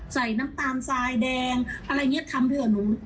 ใส่น้ำตาลทรายแดงอะไรเงี้ยทำไปเถอะหนู